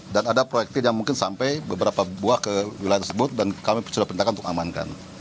dan ada proyeknya yang mungkin sampai beberapa buah ke wilayah tersebut dan kami sudah perintahkan untuk amankan